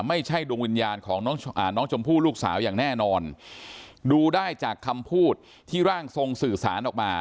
ไม่ใช่ดวงวิญญาณของน้องชมพู่ลูกสาวอย่างแน่นอนดูได้จากคำพูดที่ร่างทรงสื่อสารออกมา